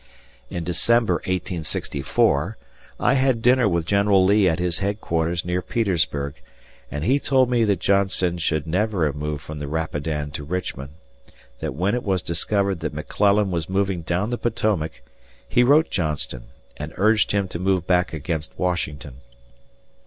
In December, 1864, I had dinner with General Lee at his headquarters near Petersburg, and he told me that Johnston should never have moved from the Rapidan to Richmond; that when it was discovered that McClellan was moving down the Potomac, he wrote Johnston and urged him to move back against Washington.